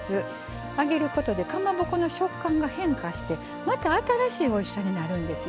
揚げることでかまぼこの食感が変化してまた新しいおいしさになるんですよ。